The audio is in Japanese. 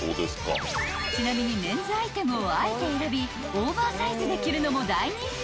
［ちなみにメンズアイテムをあえて選びオーバーサイズで着るのも大人気］